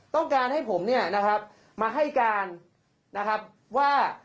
ต้องการให้ผมมาให้การว่า